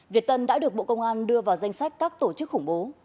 việt tân đã được bộ công an đưa vào danh sách các tổ chức khủng bố